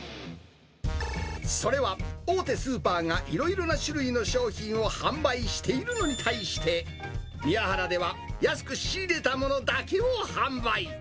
それは、大手スーパーがいろいろな種類の商品を販売しているのに対して、みやはらでは安く仕入れたものだけを販売。